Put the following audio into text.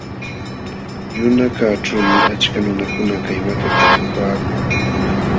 Yunakaćhuumi achka nunakuna kaywata talpupaakun.